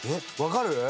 分かる？